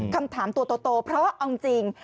คำถามตัวโตเพราะว่าเอาจริง